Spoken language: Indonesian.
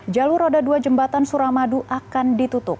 jalur roda dua jembatan suramadu akan ditutup